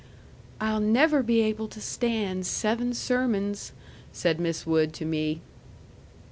"I'll never be able to stand seven sermons," said Miss Wood to me.